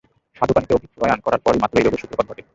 স্বাদুপানিতে অভিপ্রয়াণ করার পরই মাত্র এই রোগের সূত্রপাত ঘটে।